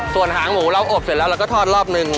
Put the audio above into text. ส่วนหางหมูเราอบเสร็จแล้วเราก็ทอดรอบนึง